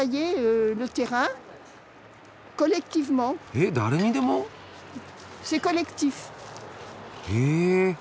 えっ誰にでも？へ。